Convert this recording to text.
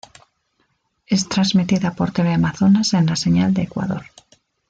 Es transmitida por Teleamazonas en la señal de Ecuador.